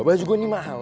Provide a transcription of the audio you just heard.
baju gue ini mahal